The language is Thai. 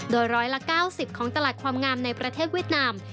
โดยร้อยละ๙๐ของตลาดความงามในประเทศเวียดนาม